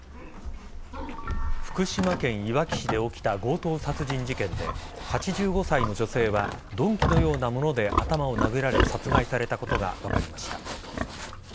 福島県いわき市で起きた強盗殺人事件で８５歳の女性は鈍器のような物で頭を殴られ殺害されたことが分かりました。